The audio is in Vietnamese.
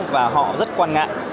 và họ rất quan ngại